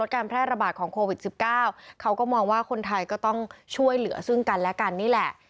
การแพร่ระบาดของโควิด๑๙เขาก็มองว่าคนไทยก็ต้องช่วยเหลือซึ่งกันและกันนี่แหละ